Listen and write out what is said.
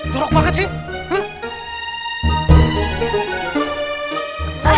jorok banget sih